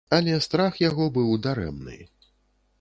Але страх яго быў дарэмны.